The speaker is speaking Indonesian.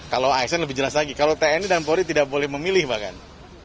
kalau asn lebih jelas lagi kalau tni dan polri tidak boleh memilih bahkan